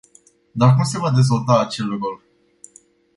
Dar cum se va dezvolta acel rol?